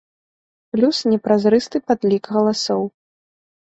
Плюс непразрысты падлік галасоў.